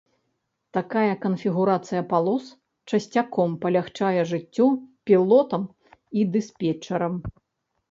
Такая канфігурацыя палос часцяком палягчае жыццё пілотам і дыспетчарам.